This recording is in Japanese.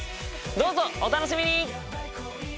どうぞお楽しみに！